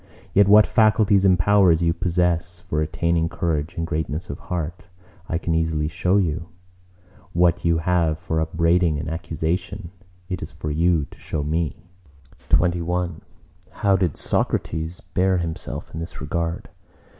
Yet what faculties and powers you possess for attaining courage and greatness of heart, I can easily show you; what you have for upbraiding and accusation, it is for you to show me! XXI How did Socrates bear himself in this regard?